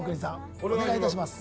お願いいたします